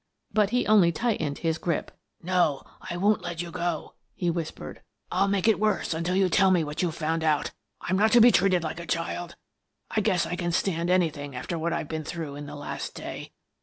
But he only tightened his grip. " No, I won't let you go," he whispered. " I'll make it worse until you tell me what you've found out. I'm not to be treated like a child. I guess I can stand anything after what I've been through in the last day.